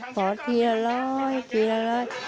ขอทีละร้อยทีละร้อย